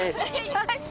はい。